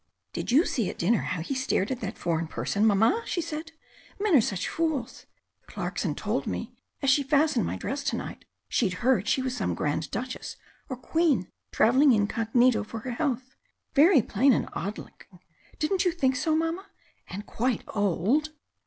"Did you see at dinner how he stared at that foreign person, mamma?" she said. "Men are such fools! Clarkson told me, as she fastened my dress to night, she'd heard she was some Grand Duchess, or Queen, travelling incognito for her health. Very plain and odd looking, didn't you think so, mamma? And quite old!"